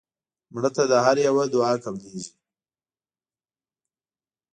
مړه ته د هر یو دعا قبلیږي